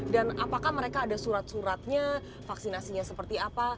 dan apakah mereka ada surat suratnya vaksinasinya seperti apa